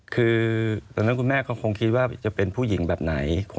คือตอนนั้นคุณแม่ก็คงคิดว่าจะเป็นผู้หญิงแบบไหน